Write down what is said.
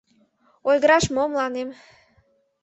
Ойгыраш мо мыланем?